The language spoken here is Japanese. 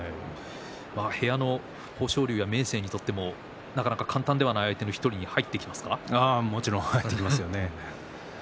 部屋の豊昇龍や明生にとってもなかなか簡単ではない相手の１人に入ってきますか？